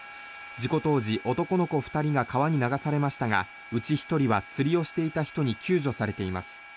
事故当時、男の子２人が川に流されましたがうち１人は釣りをしていた人に救助されています。